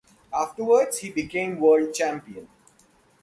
Afterwards, he became world champion.